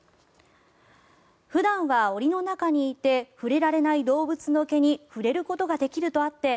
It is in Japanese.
普段は檻の中にいて触れられない動物の毛に触れることができるとあって